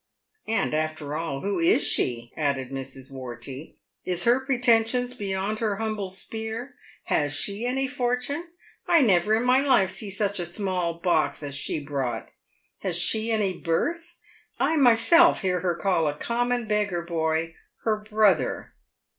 "And, after all, who is she ?" added Mrs. Wortey. " Is her pre tensions beyond her humble spear ? Has she any fortune ? I never in my life see such a small box as she brought. Has she any birth ? I myself hear her call a common beggar boy ' her brother